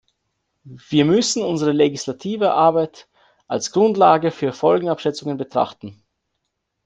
Wir müssen unsere legislative Arbeit als Grundlage für Folgenabschätzungen betrachten.